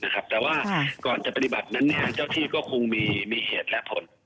แต่ว่าก่อนจะปฏิบัตินั้นเจ้าที่ก็คงมีเหตุและผล